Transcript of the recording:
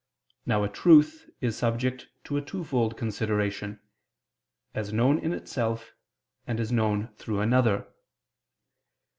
Now a truth is subject to a twofold consideration as known in itself, and as known through another.